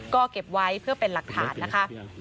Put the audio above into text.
ก็เก็บไว้เพื่อเป็นหลักฐานนะคะ